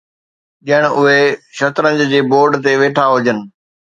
ڄڻ اهي شطرنج جي بورڊ تي ويٺا هجن.